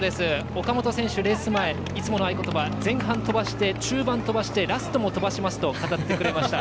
岡本選手、レース前いつもの合言葉前半飛ばして、中盤飛ばしてラストも飛ばしますと語ってくれました。